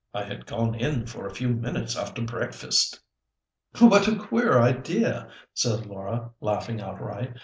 I had gone in for a few minutes after breakfast." "What a queer idea!" said Laura, laughing outright.